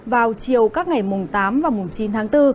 vào chiều các ngày mùng tám và mùng chín tháng bốn